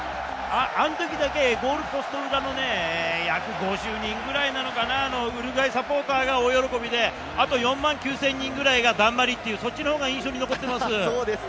あのときだけゴールポスト裏の約５０人くらいなのかな、ウルグアイサポーターが大喜びで、あと４万９０００人ぐらいが、だんまりっていうそっちの方が印象に残っています。